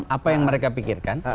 apa yang mereka pikirkan